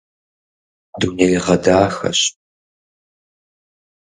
Дунейгъэдахэщ.